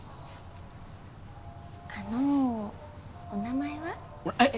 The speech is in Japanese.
あのお名前は？えっ？